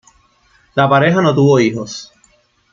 La pareja no tuvo hijos.